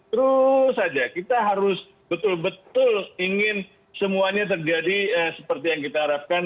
terus saja kita harus betul betul ingin semuanya terjadi seperti yang kita harapkan